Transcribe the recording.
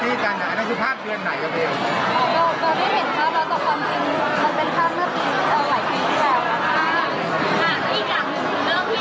อ่าอีกอย่างหนึ่งเดี๋ยวพี่ว่ามีคนเห็นเดี๋ยวว่าเบลไปเพราะว่าเจอพี่มันกล้านอีกแล้ว